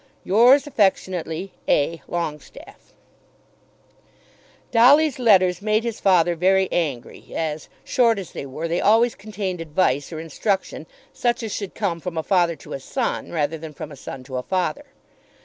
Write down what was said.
Yours affectionately, A. LONGESTAFFE. Dolly's letters made his father very angry, as, short as they were, they always contained advice or instruction, such as should come from a father to a son, rather than from a son to a father.